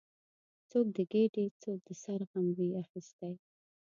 څوک د ګیډې، څوک د سر غم وي اخیستی